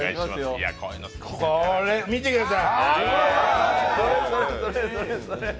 これ、見てください。